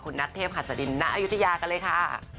คุณนัทเทพหัสดินณอายุทยากันเลยค่ะ